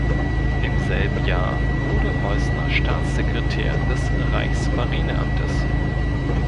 Im selben Jahr wurde Heusner Staatssekretär des Reichsmarineamtes.